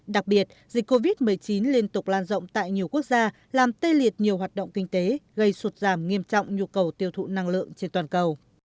đặc biệt dịch covid một mươi chín liên tục lan rộng tại nhiều quốc gia làm tê liệt nhiều hoạt động kinh tế gây sụt giảm nghiêm trọng nhu cầu tiêu thụ năng lượng trên toàn cầu